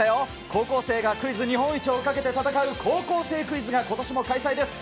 高校生がクイズ日本一をかけて戦う高校生クイズがことしも開催です。